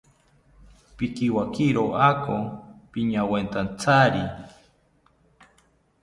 Pikiwakiro ako piñawetantyari